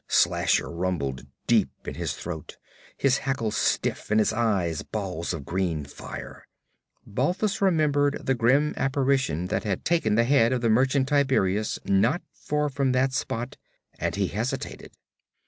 Slasher rumbled deep in his throat, his hackles stiff and his eyes balls of green fire. Balthus remembered the grim apparition that had taken the head of the merchant Tiberias not far from that spot, and he hesitated.